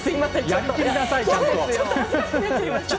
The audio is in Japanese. やり切りなさいちゃんと。